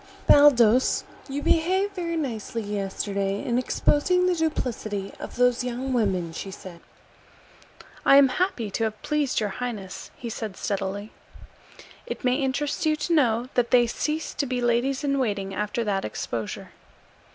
"Baldos, you behaved very nicely yesterday in exposing the duplicity of those young women," she said. "I am happy to have pleased your highness," he said steadily. "It may interest you to know that they ceased to be ladies in waiting after that exposure."